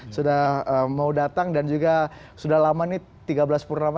sudah mau datang dan juga sudah lama nih tiga belas purnama